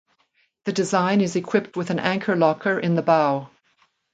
The design is equipped with an anchor locker in the bow.